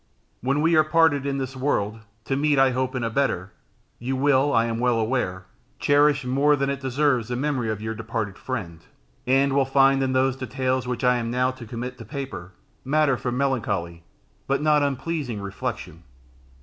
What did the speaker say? When we are parted in this world, to meet, I hope, in a better, you will, I am well aware, cherish more than it deserves the memory of your departed friend, and will find in those details which I am now to commit to paper, matter for melancholy, but not unpleasing reflection.